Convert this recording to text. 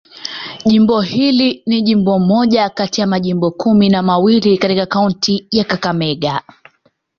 Jimbo hili ni moja kati ya majimbo kumi na mawili katika kaunti ya Kakamega.